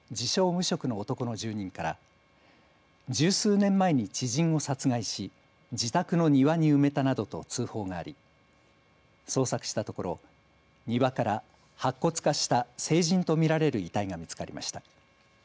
無職の男の住人から十数年前に知人を殺害し自宅の庭に埋めたなどと通報があり捜索したところ庭から白骨化した成人と見られる遺体が見つかりました。